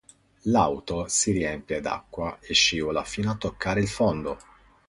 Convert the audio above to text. L'auto si riempie d'acqua e scivola fino a toccare il fondo.